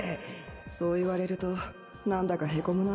そう言われるとなんだかヘコむな。